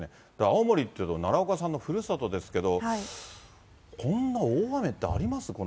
青森っていうと、奈良岡さんのふるさとですけど、こんな大雨ってあります？